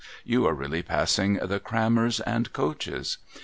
You are really I)assing the Crammers and Coaches.